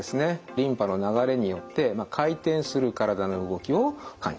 リンパの流れによって回転する体の動きを感知する。